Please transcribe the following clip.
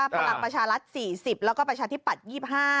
พลังประชารัฐ๔๐แล้วก็ประชาธิปัตย์๒๕